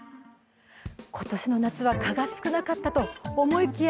今年の夏は蚊が少なかったと思いきや